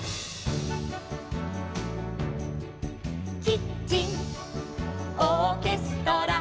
「キッチンオーケストラ」